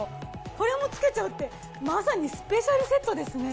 これも付けちゃうってまさにスペシャルセットですね。